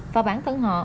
và bản thân họ